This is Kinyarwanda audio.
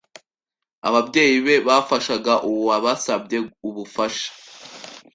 Ababyeyi be bafashaga uwabasabye ubufasha.